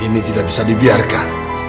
ini tidak bisa dibiarkan